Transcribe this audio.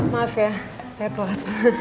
maaf ya saya pelat